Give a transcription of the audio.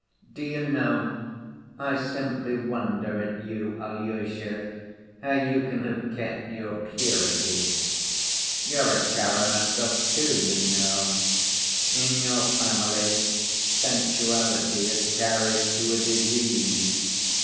Do you know, I simply wonder at you, Alyosha, how you can have kept your purity. You're a Karamazov too, you know! In your family sensuality is carried to a disease.